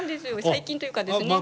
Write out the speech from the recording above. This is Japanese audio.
最近というかですね。